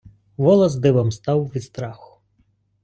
Волос дибом став від страху.